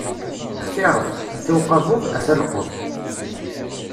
Xtiṛet: a-t-a uqabub, a-t-a llqeḍ!